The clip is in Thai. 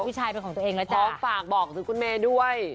พร้อมฝากบอกซึ่งคุณเมด้วย